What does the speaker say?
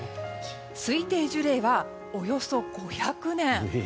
推定樹齢はおよそ５００年。